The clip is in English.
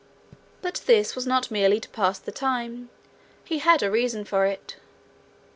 But this was not merely to pass the time: he had a reason for it.